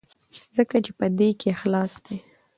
ځکه چې په دې کې اخلاص دی.